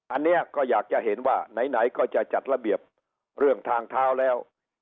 อันนี้ก็อยากจะเห็นว่าไหนก็จะจัดระเบียบเรื่องทางเท้าแล้ว